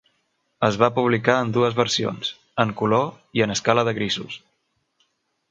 Es va publicar en dues versions: en color i en escala de grisos.